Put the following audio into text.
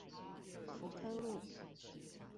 福科路